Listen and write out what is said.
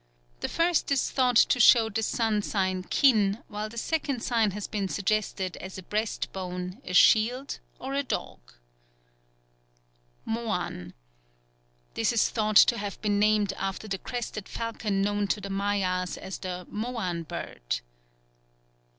The first is thought to show the sun sign Kin, while the second sign has been suggested as a breast bone, a shield, or a dog. 15th. Moan. This is thought to have been named after the crested falcon known to the Mayas as the Moan bird.